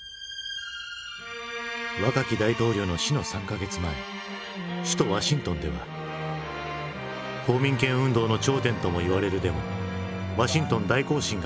若き大統領の死の３か月前首都ワシントンでは公民権運動の頂点ともいわれるデモ「ワシントン大行進」が行われていた。